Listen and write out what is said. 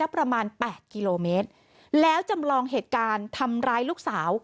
ประมาณ๘กิโลเมตรแล้วจำลองเหตุการณ์ทำร้ายลูกสาว